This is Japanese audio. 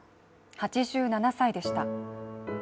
８７歳でした。